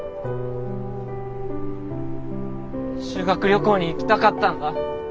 修学旅行に行きたかったんだ。